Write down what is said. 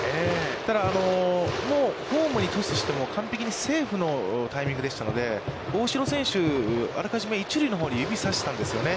ただ、もうホームにトスしてもセンターフライのタイミングでしたので、大城選手、あらかじめ一塁のほうを指さしたんですよね。